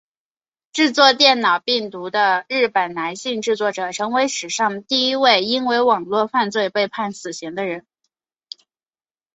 制作电脑病毒的日本男性制作者成为史上第一位因网路犯罪被判处死刑的人。